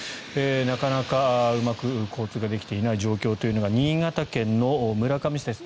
なかなかうまく交通ができていない状況というのが新潟県の村上市です。